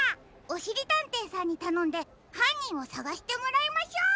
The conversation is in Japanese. おしりたんていさんにたのんではんにんをさがしてもらいましょう！